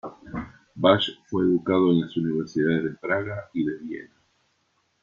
Basch fue educado en las universidades de Praga y de Viena.